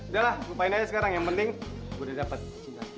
udah lah lupain aja sekarang yang penting gue udah dapet cinta dia